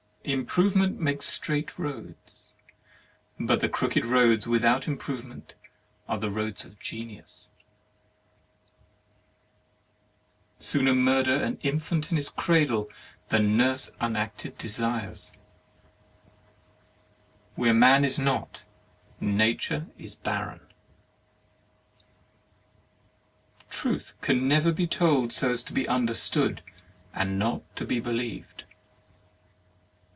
Improvement makes straight roads, but the crooked roads without Improve ment are roads of Genius. 19 THE MARRIAGE OF Sooner murder an infant in its cradle than nurse unacted desires. Where man is not, nature is barren. Truth can never be told so as to be understood and not to be believed.